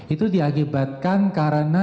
itu diakibatkan karena